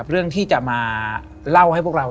เรื่องที่จะมาเล่าให้พวกเรา